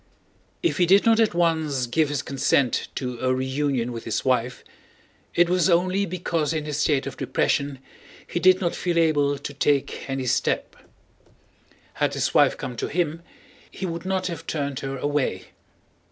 If he did not at once give his consent to a reunion with his wife, it was only because in his state of depression he did not feel able to take any step. Had his wife come to him, he would not have turned her away.